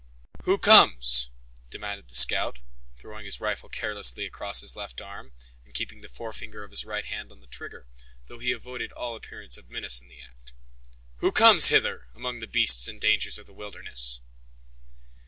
"Who comes?" demanded the scout, throwing his rifle carelessly across his left arm, and keeping the forefinger of his right hand on the trigger, though he avoided all appearance of menace in the act. "Who comes hither, among the beasts and dangers of the wilderness?"